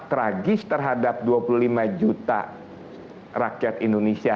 tragis terhadap dua puluh lima juta rakyat indonesia